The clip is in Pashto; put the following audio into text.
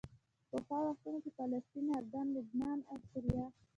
پخوا وختونو کې فلسطین، اردن، لبنان او سوریه.